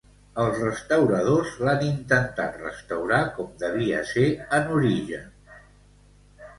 Els restauradors l'han intentat restaurar com devia ser en origen.